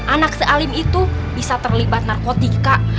anak sealim itu bisa terlibat narkotika